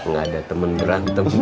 gak ada temen berantem